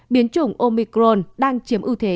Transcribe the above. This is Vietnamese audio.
biến chủng omicron đang chiếm ưu thế